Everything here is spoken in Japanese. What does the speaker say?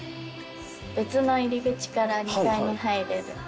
別の入り口から２階に入れるんですけど。